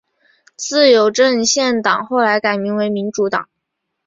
自由阵线党后来改名为民主党。